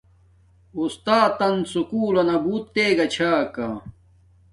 اُستاتن سکُول لنا بوت تگا چھا کا